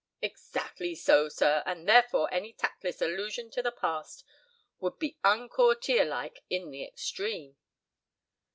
"Exactly so, sir, and therefore any tactless allusion to the past would be uncourtierlike in the extreme."